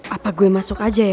apa gue masuk aja ya